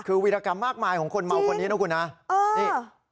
คือวิทยากรรมมากมายของคุณเมาคนนี้นะคุณน่ะเออ